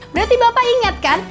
berarti bapak ingatkan